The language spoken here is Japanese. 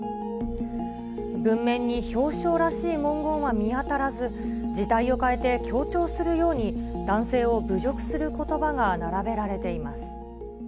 文面に表彰らしい文言は見当たらず、字体を変えて強調するように男性を侮辱することばが並べられています。